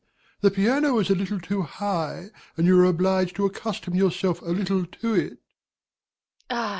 The piano is a little too high, and you are obliged to accustom yourself a little to it.